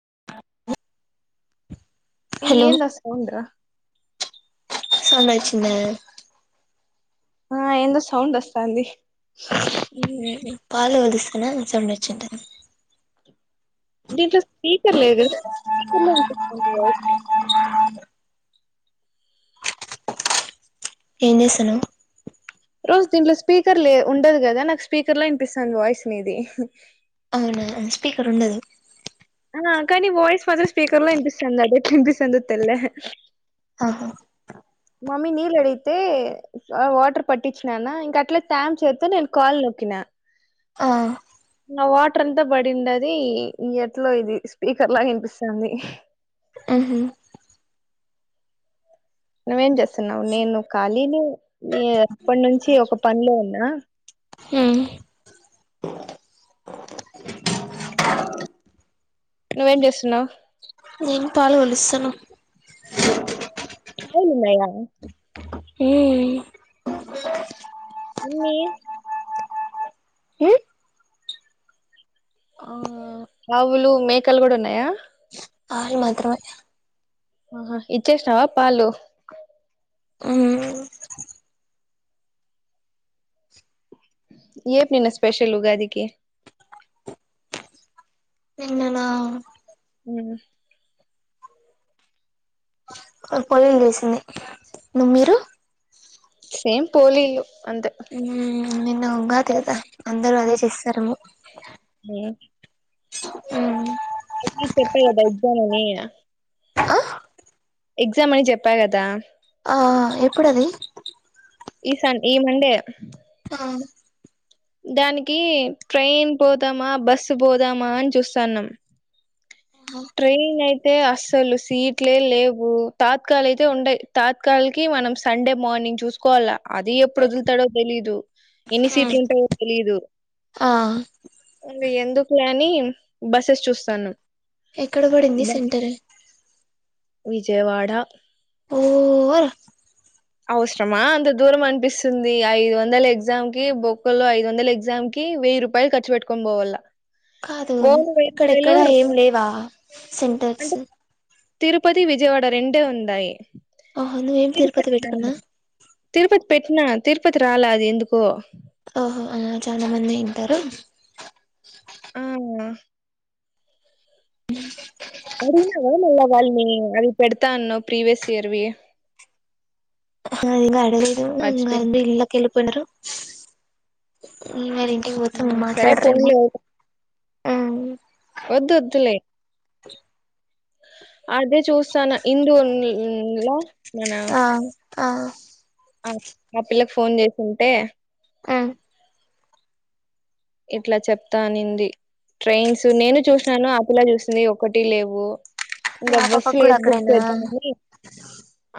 [inaudible] ఈ హలో ఏందా సౌండు రా సౌండ్ వచ్చిందా ఆ ఏంటో సౌండ్ వస్తాంది పాలు పొంగిస్తున్న సౌండ్ వచ్చింటుంది దీంట్లో స్పీకర్ లేదు కదా స్పీకర్ లా వినిపిస్తుంది వాయిస్ ఏం చేస్తానావ్ దీంట్లో స్పీకర్ ఉండదు కదా నాకు స్పీకర్ లో వినిపిస్తుంది వాయిస్ నీది అవునా స్పీకర్ ఉండదు ఆ కానీ వాయిస్ మాత్రం స్పీకర్ లా వినిపిస్తుంది అదెట్లా వినిపిస్తుంది తెల్ల ఆహా మమ్మీ నీళ్ళ అడిగితే వాటర్ పట్టించినన్న ఇంకా అట్లా త్యామ్ చేత్తో నేను కాల్ నొక్కినా ఆ నా వాటర్ అంతా పడిండది ఎట్లా ఏట్లో ఇది స్పీకర్ లా వినిపిస్తుంది ఉహూ నువ్వేం చేస్తున్నావు నేను ఖాళీనే ఈ అప్పటి నుంచి ఒక పనిలో ఉన్నా ఉమ్ ఉమ్ నువ్వేం చేస్తున్నావు నేను పాలు పొంగిస్తున్న పాలున్నాయా ఉమ్ ఇన్ని ఉమ్ ఆ ఆవులు మేకలు కూడా ఉన్నాయా పాలు మాత్రమే ఆహా ఇచ్చేస్తావా పాలు ఉమ్ ఏపు నిన్న స్పెషల్ ఉగాదికి నిన్న నా ఉమ్ పొలలు తెలిసింది నువ్ మీరు సేమ్ పోలిలు నిన్న ఉగాది కదా అందరూ అదే చేస్తారేమో ఉ అప్పుడే చెప్పా కదా ఎగ్జామ్ అని ఆ ఎగ్జామ్ అని చెప్పా కదా ఆ ఎప్పుడది ఈ సన్ ఈ మండే అను దానికి ట్రైన్ పోదామా బస్సు పోదామా అని చూస్తాన్నాం ట్రైన్ అయితే అస్సలు సీట్లే లేవు తాత్కాల అయితే ఉండయి తాత్కాల కి మనం సండే మార్నింగ్ చూసుకోవాల అది ఎప్పుడు వదులుతాడో తెలీదు ఎన్ని సీట్లు ఉంటాయో తెలీదు ఆ ఎందుకు అని బస్సెస్ చూస్తానం ఎక్కడ పడింది సెంటర్ విజయవాడ ఓ అవసరమా అంత దూరం అనిపిస్తుంది ఐదు వందల ఎగ్జామ్ కి బొక్క లో ఐదు వందల ఎగ్జామ్ కి వెయ్యి రూపాయలు ఖర్చు పెట్టుకొని పోవల్ల కాదు ఇక్కడెక్కడా ఏం లేవా సెంటర్స్ అంటే తిరుపతి, విజయవాడ రెండే ఉండాయి ఓహో నువ్వేం తిరుపతి పెట్టుకున్నా ప తిరుపతి పెట్టిన తిరుపతి రాలా అది ఎందుకో ఆహో ఆ చాలా మంది ఉంటారు ఆ అడిగినావ నువ్ వాళ్లనీ అవి పెడతా అన్నావ్ ప్రీవియస్ ఇయర్వి ఇంకా అడగలేదు ఇంగ మర్చిపోయిన అందరూ ఇళ్లకు ఏలిపోయినారు ఉ మరి ఉ సరే పోనీలే ఊరికే ఆ వద్దు వద్దులే అదే చూస్తాన్న ఇందు ఉన్లా మన ఆ ఆ ఆ ఆ పిల్లకు ఫోన్ చేసింటే ఆ ఇట్లా చెప్తా అనింది ట్రైన్స్ నేను చూసినాను ఆ పిల్ల చూసింది ఒకటి లేవు ఇంకా బస్ పాపకు కూడా ఏది బుక్ అక్కడేనా చేద్దామని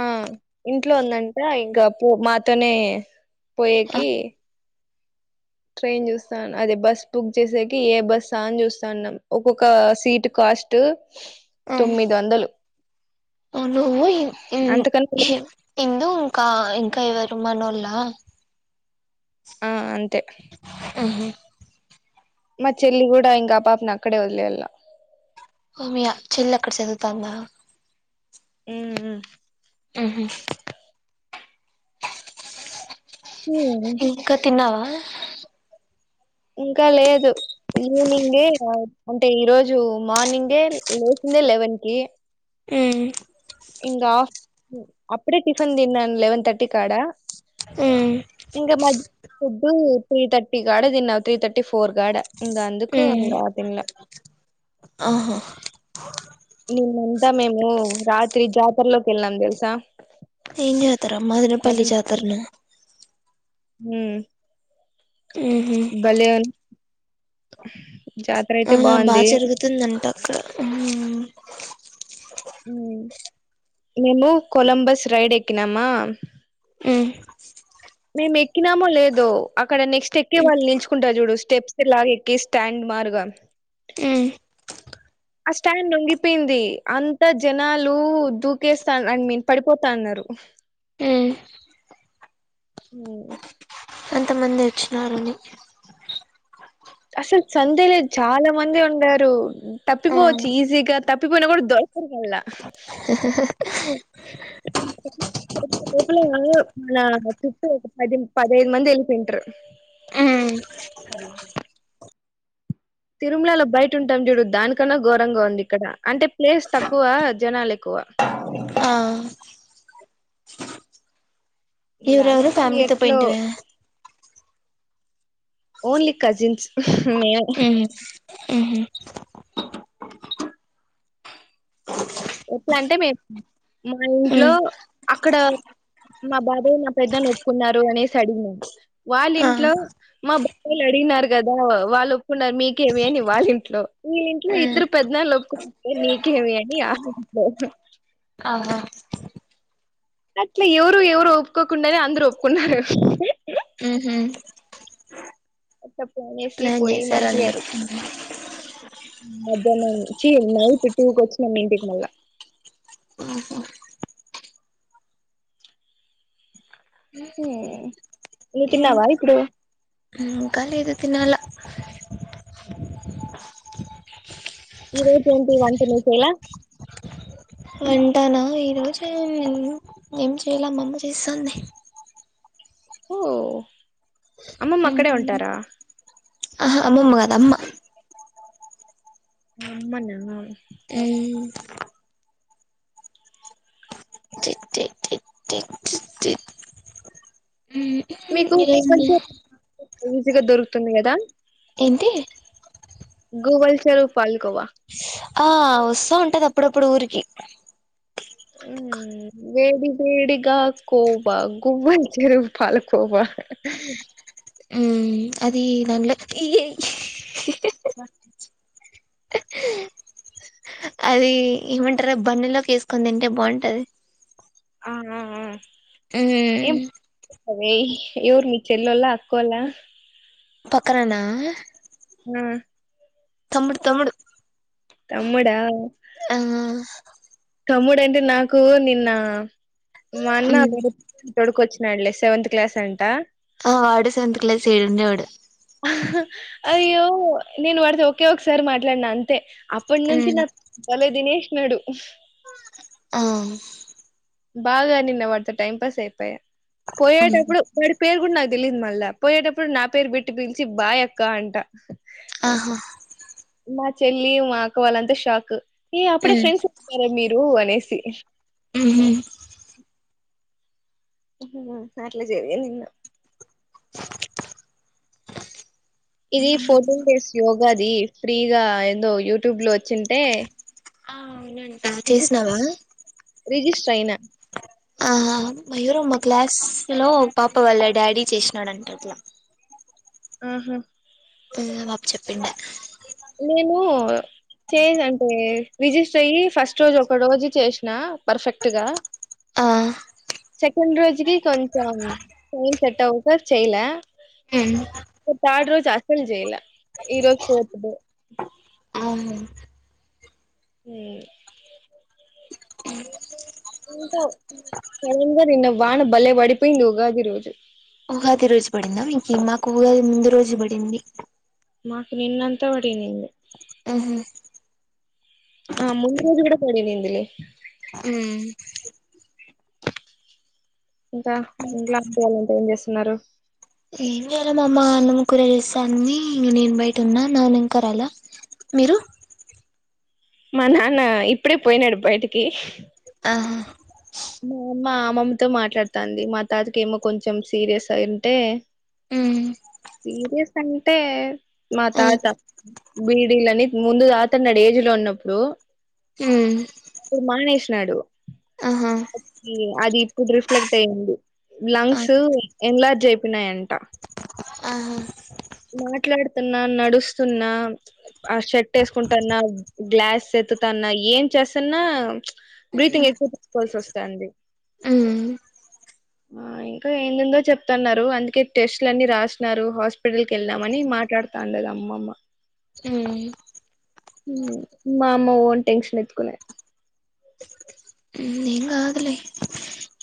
ఆ ఇంట్లో ఉందంట ఇంకా పో మాతోనే పోయేకి ట్రైన్ చూస్తా అదే బస్ బుక్ చేసేకి ఏ బస్స అని చూస్తాన్నాం ఒక్కొక్క సీటు కాస్ట్ తొమ్మిది వందలు నువ్వు ఇన్ అంతకన్నా ఇందు కా ఇంకా ఎవరు మనోళ్ళ ఆ అంతే అహా మా చెల్లి గూడ ఇంక ఆ పాపని అక్కడే వదిలేయల్లా మ్యా మీ చెల్లి అక్కడ చదువుతాందా ఉహు ఆహా ఇంకా తిన్నావా ఆ ఇంకా లేదు ఈవనింగే అంటే ఈరోజు మార్నింగే లేచిందే లెవెన్ కి ఉ ఇంగ అప్పుడే టిఫన్ తిన్నా లెవెన్ తర్టీ కాడ ఇంగ మ ఫుడ్డు త్రీ తర్టీ కాడ తిన్నా త్రీ తర్టీ ఫోర్ కాడ ఇంగ అందుకు తినలే ఆహా నిన్నంతా మేము రాత్రి జాతరలోకి వెళ్ళాం తెలుసా జాతర మదనపల్లి జాతరన ఉ ఉహు జ ఆ బా జరుగుతుందంట అక్కడ ఉం మేము కొలంబస్ రైడ్ ఎక్కినామా ఉమ్ మేము ఎక్కినామో లేదో, అక్కడ నెక్స్ట్ ఎక్కే ఉ వాళ్ళు నిల్చుకుంటారు. చూడు స్టెప్స్ లాగ ఎక్కి స్టాండ్ మారుగా ఉమ్ ఆ స్టాండ్ వొంగిపోయింది. అంత జనాలు దూకేస్తా ఐ మీన్ పడిపోతా అన్నారు ఉమ్ ఉ హు నేర్చినారని అసలు సందే లేదు చాలా మంది ఉండారు ఆ తప్పిపోవచ్చు ఈజీగా తప్పిపోయినా కూడా దొరకరు గాళ్ళ పు మన చుట్టూ ఒక పది పదైదు మంది వెళ్ళిపోంటారు ఉమ్ తిరుమలలో బయట ఉంటాం. చూడు దానికన్నా ఘోరంగా ఉంది. ఇక్కడ అంటే ప్లేస్ తక్కువ. జనాలు ఎక్కువ. ఆ లాస్ట్ ఎవరవరు ఫామిలీతో ఎట్లో పోయింటివ ఓన్లీ కజిన్స్ మే ఉ ఉహు ఎట్లా అంటే మే మా ఇంట్లో ఉమ్ అక్కడ మా బాధా మా పెద్దలు ఒప్పుకున్నారు అనేసి అడిగినాం. ఆ వాళ్ళింట్లో మా బాబ వాళ్ళు అడిగినారు కదా. వాళ్ళు ఒప్పుకున్నారు. మీకేమి అని వాళ్ళ ఇంట్లో ఈ ఇంట్లో ఉమ్ ఇద్దరు పెద్దనాళ్ ఒప్పుకున్నా నీకేమి అని. ఓ హ ఆహా అట్లా ఎవరు ఎవరు ఒప్పుకోకుండానే అందరు ఒప్పుకున్నారు. ఉహుమ్ టప్ అనేసి అ చేశారు అందరు మధ్యాహ్నం నుంచి నైట్ టూకు వచ్చినాం ఇంటికి మళ్ళా నువ్వు తిన్నావా ఇప్పుడు ఇంకా లేదు తినాళ ఇవైతి ఏంటి వంట నువ్వు చేయలా వింటానా ఈ రోజు ఏం ఎందుకు ఏం చేయల మ అమ్మ చేస్తాంది ఓ అమ్మమ్మ అక్కడే ఉంటారా ఆహా అమ్మమ్మగద్ అమ్మ అమ్మనా ఉమ్ మీకు కొంచెం ఈజీగా దొరుకుతుంది కదా ఏంటి గూగుల్ స్వరూప్ పాల్కొ వా ఆ వస్తా ఉంటది అప్పుడప్పుడు ఊరికి వేడి వేడిగా కోబ గుమ్మల్ చెరువు పాల కోబ మ్మ్ అది దానిలో అది ఏమంటరు బన్న ల్లోకి వేసుకొని తింటే బాగుంటది ఆ ఆ ఊ అదే ఎవరు ని చెెల్లోళ్ల అక్కోల్లా పక్కననా ఆ తముడు తముడు తమ్ముడా తమ్ముడు అంటే నాకు నిన్న మ అన్న మ్మ్ [unintelligible] తడుకోచ్చ నల్లే సెవెంత్ క్లాస్ అంట ఆ వాడు సెవెంత్ క్లాస్ ఈడుండేవాడు అయ్యో నేను వాడితే ఒకే ఒకసార్ మాట్లాడిన అ తే అప్పుడ నుంచి మ్మ్ నా బలే దినష్ నడు ఆ బాగా నిన్న వాడితో టైం పాస్ అయిపాయ మ్మ్ పోయేటప్పుడు వడి పేరు కూడ నా తెలీదు మళ్ళా పోయేటప్పుడు నా పేరు పేట్టి పిలిచి బాయ్ అక్క అంట ఆహా మా చెల్లి మా అక్క వాళ్ళంత షాక్ ఏప్పుడే మ్మ్ ఫ్రెండ్స్ మీరు అనే సి హమ్ అట్ల జరిగింది ఇంగ ఇది ఫోర్టీన్ డేస్ యోగా ది ఫ్రీగా ఏందో యూట్యూబ్ లో వచ్చింటే అ అవునండి అ చేసినావా రిజిస్టర్ అయినా ఆ మయూర మా క్లాస్ లో పాప వాళ్ళ డాడీ చేసినాడుంటట్లా ఉమ్మ్ అ బాపు చెప్పిండే నేను చే అంటే రిజిస్టర్ అయ్యి ఫస్ట్ రోజు ఒక రోజు చేసిన పర్ఫెక్ట్ గ ఆ సెకండ్ రోజు కొంచెం టైం సెట్ అవ్వక చేయలే హమ్ థర్డ్ రోజు అసలు చేయలా ఇరోజ ఫోర్త్ డే అవును హమ్ ఇంక సడంగా నిన్న వాన బాలే పడిపోయింది ఉగాది రోజు ఉగాది రోజు పడింద మీకీ మాక్ ఉగాది ముందు రోజు పడింది మాకు నిన్నంతా పడింది ఆహొ ఆ ముందు రోజు కూడా పడినింది లే మ్మ్ ఇంకా ఇంట్లొ అంటి వాళ్ళంతా ఏం చేస్తున్నారు ఏం చేయాల మా అమ్మ అన్నం కూర చేస్తాంది. నేను బయట ఉన్నా నాన్న ఇంకా రాలా మీరు మా నాన్న ఇప్పుడే పోయినాడు బయటికి ఆహా మా అమ్ మా అమ్మమ్మతో మాట్లాడుతంది మా తాతక ఏమో కొంచెం సీరియస్ అయి ఉంటే సిరియస్ అంటే మా తాత బీ విళ్ళనిత్ ముందు తాగతన్నడు ఏజ్ లో ఉన్నప్పుడు ఇప్పుడు మానెస్ ట్లాడు ఆహా అది ఇప్పుడు రిఫ్ల [unintelligible] క్ట్ అయ్యింది లంగ్స్ ఎలా జేప్ న్నాడి ఆహా [inaudible] మాట్లాడు న్నా నడుస్తున్నా ఆ షర్ట్ వేసుకుంటాన్నా గ్లాస్ ఎత్తుతాన్నా ఏం చేస్తున్నా బ్రీతింగ్ ఎక్కువ తీసుకోవాల్సి వస్తుంది తండ అ ఆ ఇంకా ఏందెందో చెప్తాన్నారు అందుకే టెస్ట్లు అన్ని రాసినారు హాస్పిటల్ కి వెళ్ళామని మాట్లాడుతాండరు అమ్మల్లు మా అమ్మ ఓన్ టెన్షన్ ఎత్తుకునే ఏం కాదులే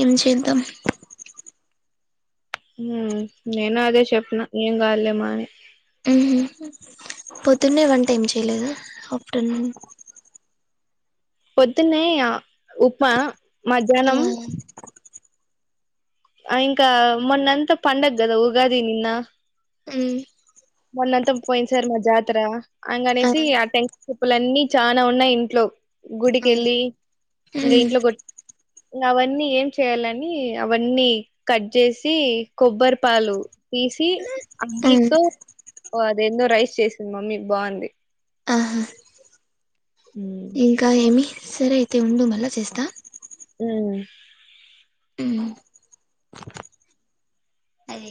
ఏం చేద్దాం నేను అదే చెప్పిన ఏం కదులే మా అని పొద్దునే వన్ టైమ్ చేయలేదు ఆఫ్టర్నూన్ పొద్దున్నే ఆ ఉప్ప ఆ మధ్యానం ఇంకా మొన్నంతా పండగ కదా ఉగాది నిన్న మ్మ్ మొన్నంతా పోయింది సార్ మా జాతర అంగ అనేసి ఆ టెన్షన్ పప్పులన్నీ చానా ఉన్నాయి ఇంట్లో గుడిక వెళ్ళి ఇంకా ఇంట్లో కొ అవన్నీ ఏం చేయాలని అవన్నీ కట్ చేసి కొబ్బరి పాలు తీసి ఆ మీతో ఆ అది ఎందొ రైస్ చేసింది మమ్మీ బాగుంది ఆహా ఉమ్ ఇంకా ఏమి సరే అయితే ఉండు మళ్ళా చేస్తా ఓ అది